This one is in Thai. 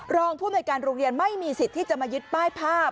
รองภูมิในการโรงเรียนไม่มีสิทธิ์ที่จะมายึดป้ายภาพ